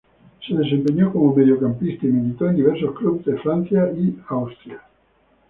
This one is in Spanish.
Se desempeñó como mediocampista y militó en diversos clubes de Francia y Austria.